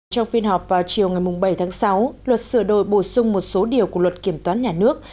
trong phiên họp vào chiều ngày bảy tháng sáu luật sửa đổi bổ sung một số điều của luật kiểm toán nhà nước